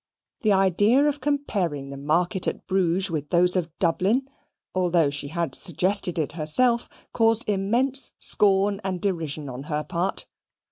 The idea of comparing the market at Bruges with those of Dublin, although she had suggested it herself, caused immense scorn and derision on her part.